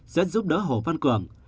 sẽ giúp đỡ hồ văn cường